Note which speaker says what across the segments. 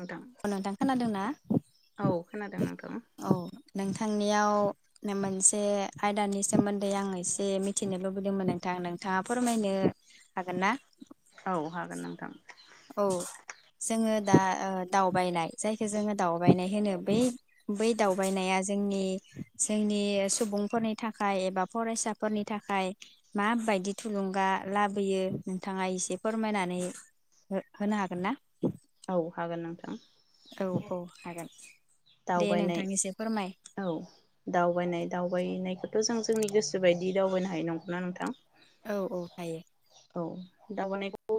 Speaker 1: नोंथां
Speaker 2: अ नोंथां खोनादोंना
Speaker 1: औ खोनादों नोंथां
Speaker 2: औ नोंथांनियाव [unintelligible] मोनसे आयदानि सोमोन्दै आं एसे मिथिनो लुबैदोंमोन नोंथां नोंथाङा फोरमायनो हागोन ना?
Speaker 1: औ हागोन नोंथां
Speaker 2: औ जोंङो दा ओ दावबायनाय जायखौ जोंङो दावबायनाय होनो बै बै दावबायनाया जोंनि जोंनि सुबुंफोरनि थाखाय एबा फरायसाफोरनि थाखाय माबायदि थुलुंगा लाबोयो नोंथांङा एसे फोरमायनानै हो होनो हागोन ना?
Speaker 1: औ हागोन नोंथां।
Speaker 2: औ-औ हागोन दे
Speaker 1: दावबायनाय
Speaker 2: नोंथां एसे फोरमाय
Speaker 1: औ दावबायनाय दावबायनायखो थ जों जोंनि गोसोबायदि दावबायनो हायो नंगौना नोंथां?
Speaker 2: औ औ हायो।
Speaker 1: औ दावबायनायखौ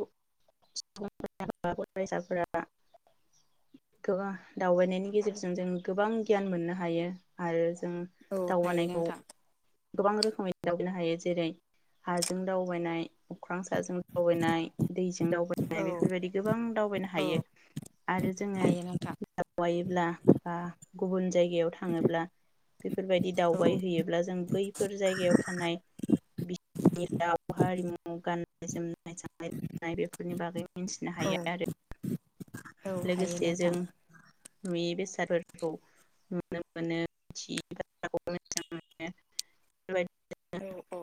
Speaker 1: [unintelligible] फरायसाफोरा थोया दावबायनायनि गेजेर जों जों गोबां गियान मोननो हायो आरो जों
Speaker 2: औ हायो
Speaker 1: दावगानायखौ
Speaker 2: नोंथां
Speaker 1: गोबां रोखोमै दावबायनो हायो जेरै हाजों दावबायनाय अख्रां साजों दावबायनाय दैजों दावबायनाय
Speaker 2: औ
Speaker 1: बेफोरबायदि गोबां दावबायनो
Speaker 2: औ
Speaker 1: हायो आरो जोङो
Speaker 2: हायो नोंथां
Speaker 1: दावबायोब्ला गुबुन जायगायाव थाङोब्ला बेफोरबायदि
Speaker 2: औ
Speaker 1: दावबाय हैयोब्ला जों बैफोर जायगायाव थानाय [unintelligible] राव, हारिमु, गान बे जोम [unintelligible] बेफोरनि बागै मिनथिनो
Speaker 2: औ
Speaker 1: हायो आरो।
Speaker 2: औ हायो
Speaker 1: लोगोसे
Speaker 2: नोंथां
Speaker 1: जों नुयि बेसादफोरखौ नुनो मोनो मिथियै बाथ्राखौ मिनथिना मोनो बेफोरबादि
Speaker 2: औ औ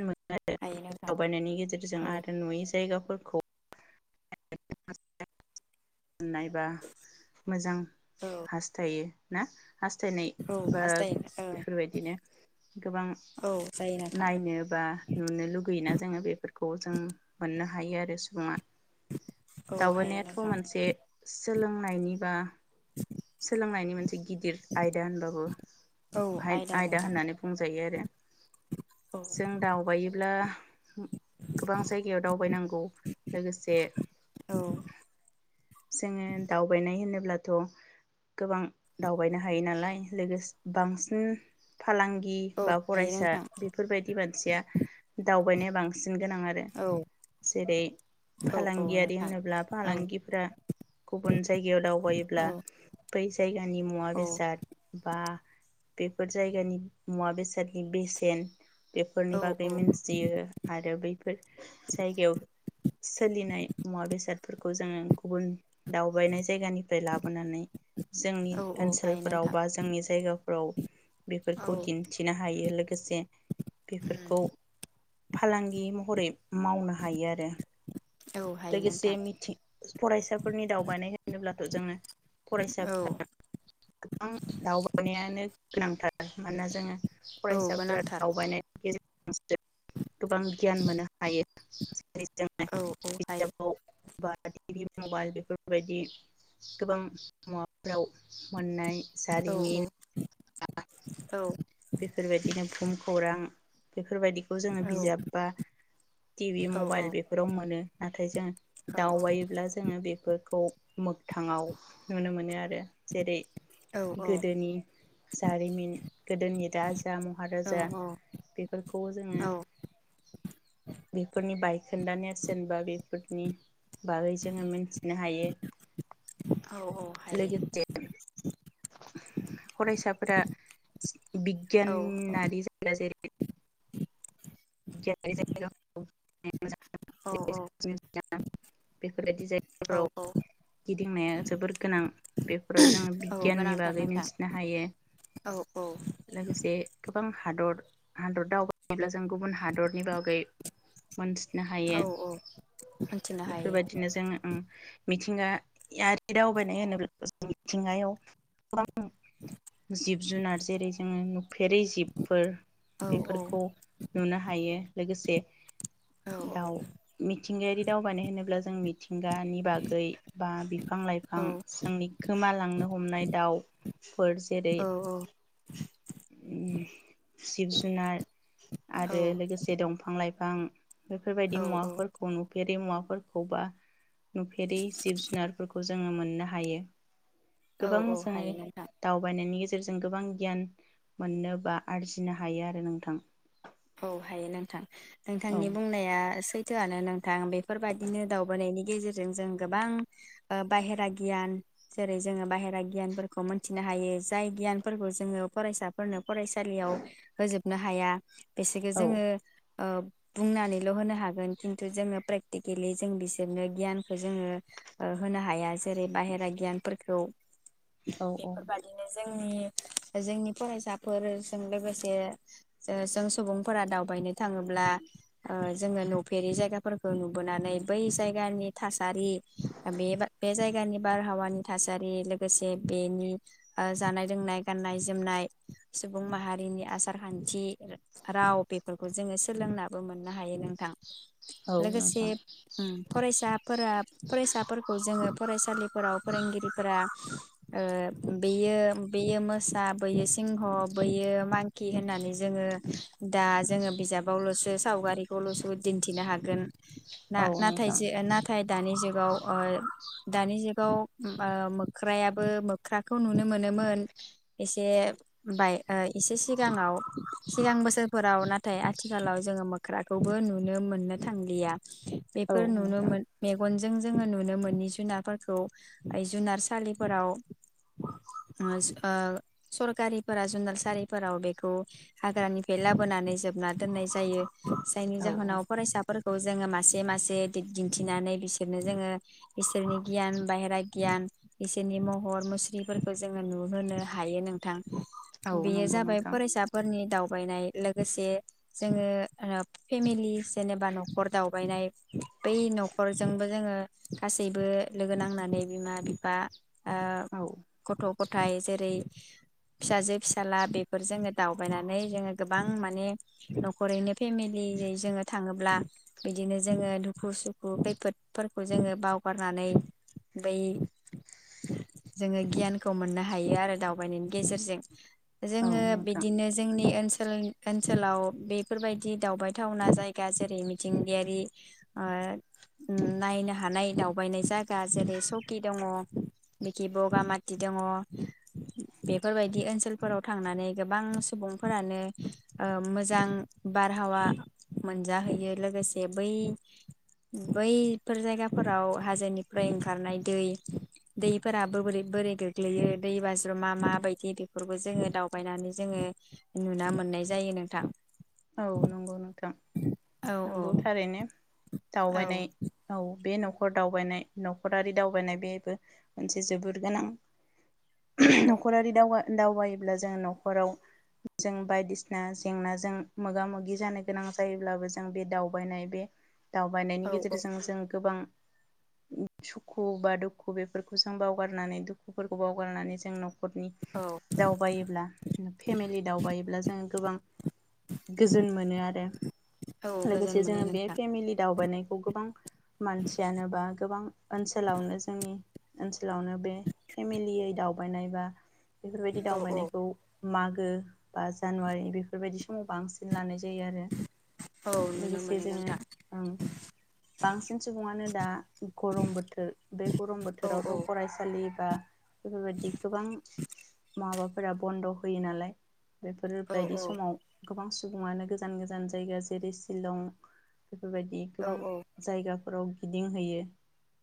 Speaker 1: मोनो आरो
Speaker 2: हायो नोंथां
Speaker 1: दावबायनायनि गेजेरजों
Speaker 2: औ
Speaker 1: आरो नुयै जायगाखो फोरखौ [unintelligible] मोननाय बा मोजां
Speaker 2: औ
Speaker 1: हास्थायो ना? हास्थायनाय
Speaker 2: औ
Speaker 1: बा
Speaker 2: हास्थायो ओं
Speaker 1: बेफोरबायदिनो गोबां
Speaker 2: औ जायो नोंथां
Speaker 1: नायनो बा नुनो लुगैयोना जोङो बेफोरखौ जों मोननो हायो आरो सुबुङा।
Speaker 2: औ हायो नोंथां।
Speaker 1: बे सोलोंनायनिबा सोलोंनायनि मोनसे गिदिर आयदा होनबाबो
Speaker 2: औ
Speaker 1: हायद आयदा
Speaker 2: नोंथां
Speaker 1: होननानै बुंजायो आरो
Speaker 2: औ
Speaker 1: जों दावबायोब्ला गोबां जायगायाव दावबायनांगौ लोगोसे
Speaker 2: औ
Speaker 1: जोङो दावबायनो नै होनोब्लाथ' गोबां दावबायनो हायो नालाय लोगोस बांसिन फालांगि
Speaker 2: औ
Speaker 1: बा
Speaker 2: हायो
Speaker 1: फरायसा
Speaker 2: नोंथां
Speaker 1: बेफोरबायदि मानसिया दावबायनाय लांस गोनां आरो
Speaker 2: औ
Speaker 1: जेरै
Speaker 2: औ औ
Speaker 1: फालांगियारि
Speaker 2: नोंथां
Speaker 1: होनोब्ला
Speaker 2: औ
Speaker 1: फालांगि दा गुबुन जायगायाव दावबायोब्ला
Speaker 2: औ
Speaker 1: बै जायगानि मुवा
Speaker 2: औ
Speaker 1: बेसाद बा हा बेफोर जायगानि मुवा बेसादनि बेसेन। बेफोरनि
Speaker 2: औ
Speaker 1: बागै मिथियो आरो बैफोर जायगायाव सोलिनाय मुवा बेसाद फोरखौ जोङो। गुबुन दावबायनाय जायगानिफ्राय लाबोनानै जोंनि
Speaker 2: औ औ हायो
Speaker 1: ओनसोलफोराव
Speaker 2: नोंथां
Speaker 1: बा जोंनि जायगाफोराव
Speaker 2: औ
Speaker 1: बेफोरखौ दिन्थिनो हायो लोगोसे बेफोरखौ फालांगि महरै मावनो हायो आरो
Speaker 2: औ हायो
Speaker 1: लोगोसे
Speaker 2: नोंथां
Speaker 1: मिंथिं फरायसाफोरनि दावबायनाय होनोब्ला जोंनो
Speaker 2: औ
Speaker 1: फरायसाफोरा गोबां दावबायनायानो गोनांथार मानोना जोंङो
Speaker 2: औ
Speaker 1: फरायसाफोरा
Speaker 2: गोनांथार
Speaker 1: दावबायनायनि गेजेरजों [inaudible] गोबां गियान मोननो हायो। [inaudible]
Speaker 2: औ हायो
Speaker 1: [unintelligible] बा टि भि मबाइल बेफोरबायदि गोबां मुवाफोराव मोननै
Speaker 2: औ
Speaker 1: जारिमिनआ
Speaker 2: औ
Speaker 1: बेफोर बायदिनो भुमखौरां बेफोरबायदिखौ जोङो
Speaker 2: औ
Speaker 1: बिजाब बा टि भि मबाइल बेफोराव मोनो। नाथाय जोङो
Speaker 2: औ
Speaker 1: दावबायोब्ला जोङो बेफोरखौ मोखथाङाव नुनो मोनो आरो। जेरै गोदोनि जारिमिन गोदोनि दा जो
Speaker 2: औ
Speaker 1: महाराजा
Speaker 2: औ
Speaker 1: बेफोरखौ जोङो
Speaker 2: औ
Speaker 1: बेफोरनि बायखोन्दा नेरसिन बा बे [unintelligible] नि बागै जोङो मिथिनो हायो
Speaker 2: औ औ
Speaker 1: लोगो
Speaker 2: हायो
Speaker 1: [inaudible] फरायसाफोरा
Speaker 2: औ
Speaker 1: बिगियानारि जायगा जेरै
Speaker 2: [inaudible]
Speaker 1: जेरै जों जायगाफोरखौ।
Speaker 2: औ
Speaker 1: [unintelligible] बेफोरबायदि
Speaker 2: औ
Speaker 1: जायगाफोराव
Speaker 2: औ
Speaker 1: गिदिंनाया जोबोर गोनां बेफोराव जोङो
Speaker 2: औ
Speaker 1: बिगियाननि
Speaker 2: गोनांथार
Speaker 1: बागै
Speaker 2: नोंथां
Speaker 1: मिथिनो हायो।
Speaker 2: औ औ।
Speaker 1: लोगोसे गोबां हादर हादर दावबायोब्ला जों गुबुन हादरनि बागै मोनथिनो हायो
Speaker 2: औ औ मोनथिनो हायो
Speaker 1: बेफोरबायदिनो जोङो ओम मिथिंगायारि दावबायनाय होनोबा [unintelligible] [unintelligible] जिब जुनार जेरै नुफेरै जिबफोर
Speaker 2: औ
Speaker 1: बेफोरखौ नुनो हायो। लोगोसे
Speaker 2: औ
Speaker 1: दाउ मि थिंगायारि दावबायनाय होनोब्ला जों मिथि गानि बागै बा बिफां लाइफां
Speaker 2: औ
Speaker 1: जोंनि गोमालांनो हमनाय दाउफोर जेरै
Speaker 2: औ
Speaker 1: जिब जुनार आरो लोगोसे दंफां लाइ फां बेफोरबायदि
Speaker 2: औ
Speaker 1: मुवाफोरखौ नुफे फेरि मुवाफोरखौ बा नुफेरि जिब जुनारफोरखौ जोङो मोननो हायो।
Speaker 2: औ
Speaker 1: गोबां
Speaker 2: औ
Speaker 1: जोङो
Speaker 2: हायो नोंथां
Speaker 1: दावबायनायनि गेजे जों गोबां गियान मोननो बा आरजिनो हायो आरो नोंथां।
Speaker 2: औ हायो नोंथां।
Speaker 1: औ
Speaker 2: नोंथांनि बुंनाया सैथो आनो नोंथां बे फोरबायदिनो दावबानायनि गेजेरजों जों गोबां ओ बाहेरा गियान जेरै जोङो बाहेरा गियानफोरखौ मोन्थिनो हायो जाय गियानफोरखौ जोङो फरायसाफोरनो फरायसालियाव होजोब नो हाया बेसेखो
Speaker 1: औ
Speaker 2: जोङो ओह बुंनानैल होनो हागोन खिन्थु जोङो प्रेक्टिकेलि जों बिसोरनो गियानखौ जोङो ओ होनो हाया जेरै बाहेरा गियानफोरखौ
Speaker 1: औ - औ
Speaker 2: बेफोरबादिनो जोंनि जोंनि फरायसाफोरजों लोगोसे [unintelligible] सुबुंफोरा दावबायनो थाङोब्ला ओह जोङो नुफेरि जायगाफोरखौ नुबोनानै बै जायगानि थासारि बे बा बे जायगानि बारहावानि थासारि लोगोसे बेनि ओह जानाय लोंनाय गाननाय जोमनाय सुबुं माहारिनि आसार खान्थि राव बेफोरखौ जोङो सोलोंनाबो मोननो हायो नोंथां।
Speaker 1: औ
Speaker 2: लोगोसे
Speaker 1: नोंथां
Speaker 2: ओम फरायसाफोरा फरायसाफोरखौ जोङो फरायसालिफोराव फोरोंगिरिफोरा ओह बेयो बेयो मोसा बैयो सिंह बैयो मांखि होननानै जोङो दा जोङो बिजाबावल'सो सावगारिखौल'सो दिन्थिनो हागोन।
Speaker 1: औ
Speaker 2: ना-नाथाय
Speaker 1: नोंथां
Speaker 2: जे-नाथ थाय दानि जुगाव ओह दानि जुगाव ओह मोग ख्रायाबो मोख्रा खौ नुनो मोनोमोन एसे बाय एसे सिगाङाव सिगां बोस बोसोरफोराव नाथाय आथिखालाव जोङो मोख्राखौबो नुनो मोननो थांलिया।
Speaker 1: औ
Speaker 2: बेफोर नुनो
Speaker 1: नोंथां
Speaker 2: मोन मेगन जों जों नुनो मोनि जुनारफोरखौ जुनारसालिफोराव ओस ओ सरकारनिफोरा जुनालसालिफोराव बेखौ हाग्रानिफ बे लाबोनानै जोबना दोननाय जायो। जायनि
Speaker 1: औ औ
Speaker 2: जाहोनाव फरायसाफोर खौ जोङो मासे मासे दि-दिन्थिनानै बिसोरनो जोङो बिसोरनि गियान बायेरा गियान बिसोरनि महर मुस्रिफोरखौ जोङो नुहोनो हायो नोंथां।
Speaker 1: औ
Speaker 2: बेयो
Speaker 1: नंगौ
Speaker 2: जाबाय
Speaker 1: नोंथां
Speaker 2: फरायसाफोरनि दाउ दावबायनाय लोगोसे जोङो ओ फेमिलि जेनेबा न'खर दावबायनाय बै नखरजोंबो जोङो गासैबो लोगो नांनानै बिमा बिफा ओ
Speaker 1: औ
Speaker 2: गथ गथाय जेरै फिसाजो फिसाला बेफोर जोङो दावबायनानै जोङो गोबां माने न'खरैनो फेमिलियैनो जोङो थाङोब्ला बिदिनो जोङो दुखु सुखु खैफोदफोरखौ जोङो बावगारनानै बै जोङो गियानखौ मोननो हायो आरो दावबायनायनि गेजेरजों।
Speaker 1: औ
Speaker 2: जोङो
Speaker 1: नोंथां
Speaker 2: बिदिनो जोंनि ओनसोल ओनसोलाव बेफोरबायदि दावबायथावना जायगा जेरै मिथिंगायारि ओ उम नायनो हानाय दावबायनाय जायगा जेरै सकि दङ बिखि बगामाटि दङ बेफोरबायदि ओनसोलफोराव थांनानै गोबां सुबुं फोरानो ओ मोजां बारहावा मोनजाहैयो लोगोसे बै बैफोर जायगाफोराव हाजोनिफ्राय ओंखारनाय दै दैफोराबो बोरै बोरै गोग्लैयो दै बाज्रुमा माबायदि बेफोरबो जोङो दावबायनानै जोङो नुना मोननाय जायो नोंथां।
Speaker 1: औ नंगौ नोंथां
Speaker 2: औ औ
Speaker 1: नंगौ थारैनो
Speaker 2: औ
Speaker 1: दावबायनाय औ बे न नखर दावबायनाय नखरारि दावबायनाय बेबो मोनसे जोबोर गोनां। नखरारि दावगा दावगायो। ब्ला जों न'खराव जों बायदिसिना जेंनाजों मोगा मोगि जानो गोनां जायोब्लाबो जों बे दावबायनाय बे दावबायनायनि
Speaker 2: औ
Speaker 1: गेजेरजों जों गोबां सुखु बा दुखु बेफोरखौ जों बावगारनानै दुखुफोरखौ बावगारनानै जों न'ख न'खरनि दावबायोब्ला फेमिलि दावबायोब्ला जों गोबां गोजोन मोनो आरो
Speaker 2: औ गोजोन
Speaker 1: लोगोसे
Speaker 2: मोनो
Speaker 1: जोङो बे
Speaker 2: नोंथां
Speaker 1: फेमिलि दावबायनायखौ गोबां मानसियानो बा गोबां ओनसोलावनो जोंनि ओनसोलावनो बे फेमिलियै दावबायनाय बा बेफोरबायदि
Speaker 2: औ औ
Speaker 1: दावबायनायखौ मागो बा जानुवारि बेफोरबायदि समाव बांसिन लानायज जायो आरो
Speaker 2: औ नुनो
Speaker 1: लोगोसे
Speaker 2: मोनो
Speaker 1: जोङो
Speaker 2: नोंथां
Speaker 1: ओं बांसिन सुबुङानो दा गरम बोथोर बे गरम
Speaker 2: औ
Speaker 1: बोथोरावथ
Speaker 2: औ
Speaker 1: फरायसालि बा बेफोरबायदि गोबां माबा फोरा बन्द' होयो नालाय। बेफोर
Speaker 2: औ
Speaker 1: बायदि
Speaker 2: औ
Speaker 1: समाव गोबां सुबुङानो गोजान गोजान जायगा जेरै शिलं बेफोर बायदि
Speaker 2: औ
Speaker 1: गोबां जायगा। फोराव गिदिंहैयो।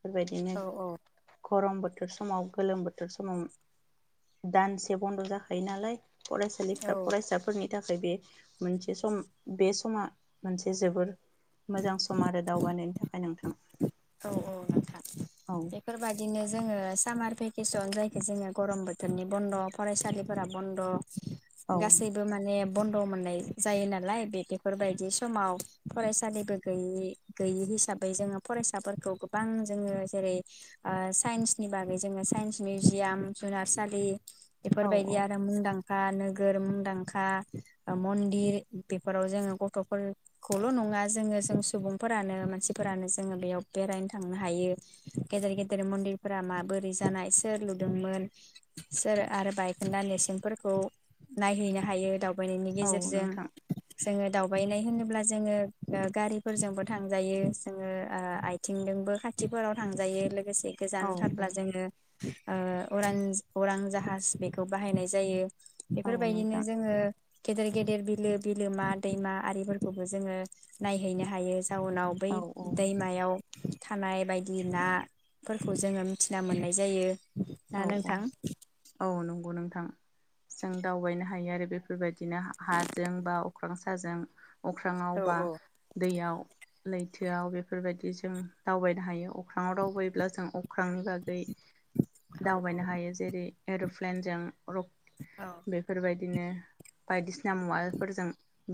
Speaker 1: बेबायदिनो।
Speaker 2: औ औ
Speaker 1: गरम बोथोर समाव गोलोम बोथोर समाव दानसे बन्द जाखायो नालाय। फरायसालिफ्रा
Speaker 2: औ
Speaker 1: फरायसाफोरनि ताखाय बे मोनसे सम बे समा मोनसे जोबोर मोजां सम आरो दावबायनायनि थाख नोंथां।
Speaker 2: औ औ नोंथां
Speaker 1: औ
Speaker 2: बेफोर बायदिनो जोङो सामार पे केसन जायखौ जोंङो गरम बोथोरनि बन्द फरायसालिफोरा बन्द
Speaker 1: औ
Speaker 2: गासैबो माने बन्द मोननाय जायो नालाय बे बेफोरबायदि समाव फरायसालिबो गैयि गैयि हिसाबै जोङो फरायसा फिसाफोरखौ गोबां जोंङो जेरै साइन्सनि बागै जोंङो साइन्स मिउजियाम जुनारसालि बेफोर
Speaker 1: औ
Speaker 2: बायदि
Speaker 1: औ
Speaker 2: आरो मुदां खा नोगोर मुंदांखा ओ मन्दिर बेफोराव जोङो गथ'फोरखौल' नङा जोङो जों सुबुंफोरानो मानसिफोरानो जोङो बेयाव बेरायनो थांनो हायो गेदेर गेदेर मन्दिरफोरा माबोरै जानाय सोर लुदोंमोन सोर आरो बायखोन्दा नेरसोनफोरखौ नायहैनो हायो दावबायनायनि
Speaker 1: औ
Speaker 2: गेजेरजों
Speaker 1: नोंथां
Speaker 2: जोङो दावबायनाय होनोब्ला जोङो ओ गारिफोरजोंबो थांजायो जोङो ओ आथिंजोंबो खाथिफोराव थांजायो लो लोगोसे
Speaker 1: औ
Speaker 2: गोजान
Speaker 1: औ
Speaker 2: थारब्ला जोंङो अरां अरां जाहाज बेखौ बाहायनाय जायो।
Speaker 1: औ
Speaker 2: बेफोर बायदिनो
Speaker 1: नोंथां
Speaker 2: जोङो गेदेर गेदेर बिलो बिलोमा दैमा आरिफोरखौबो जोङो नायहैनो हायो। जाउनाव बै
Speaker 1: औ औ
Speaker 2: दैमायाव थानाय बायदि ना फोरखौ जोङो मिथिना मोननाय जायो। ना
Speaker 1: औ औ
Speaker 2: नोंथां
Speaker 1: औ नंगौ नों थां जों दावबायनो हायो आरो बेफोरबायद बिदिनो हाजों बा अख्रां साजों। अख्रांआव बा दैयाव। लैथोआव बेफोरबायदि जों दावबायनो हायो अख्राङाव दावबायायोब्ला जों अख्रांनि बागै दावबायनो हायो जेरै एरप्लेनजों रक
Speaker 2: औ
Speaker 1: बेफोरबाय दिनो बायदिसि ना मुवालफोरजों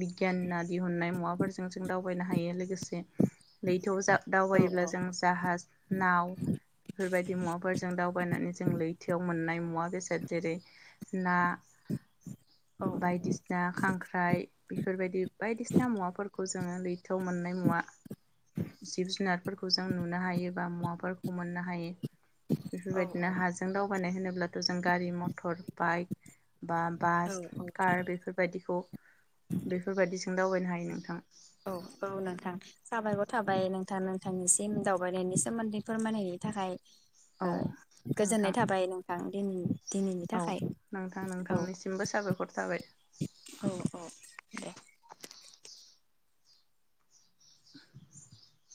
Speaker 1: बिगियाना दिहुननाय मुवाफोरजों जों दावबायनो हायो लोगोसे लैथोआव जा
Speaker 2: औ
Speaker 1: दावबायोब्ला
Speaker 2: औ
Speaker 1: जों जाहाज नाव फोरबायदि मुवाफोरजों दावबायनानै जो लैथोआव मोननाय मुवा बेसाद जेरै ना
Speaker 2: औ
Speaker 1: बायदिसिना खांख्राइ बेफोरबायदि बायदिसिना मुवाफोर खौ जोङो लैथोआव मोननाय मुवा जिब जुनारफोरखौ जों नुनो हायो बा मुवाफोरखौ मोननो हायो।
Speaker 2: औ
Speaker 1: बेफोरबायदिनो हाज बायनाय होनोब्लाथ' जों गारि मथर बाइक बा
Speaker 2: औ
Speaker 1: बास कार बेफोरबायदिखौ बेफोरबायदि ओं दावबायनो हायो नोंथां।
Speaker 2: औ औ नोंथां साबायखर थाबाय नोंथां नोंथांनिसिम दावबायनायनि सोमोन्दै फोरमायनायनि थाखाय।
Speaker 1: औ
Speaker 2: ओ
Speaker 1: नोंथां
Speaker 2: गोजोननाय थाबाय नों आं दिनि दिनैनि
Speaker 1: औ
Speaker 2: थाखाय
Speaker 1: नोंथां
Speaker 2: औ
Speaker 1: नोंथांनिसिमबो साबायखर थाबाय
Speaker 2: औ औ दे।
Speaker 1: [inaudible]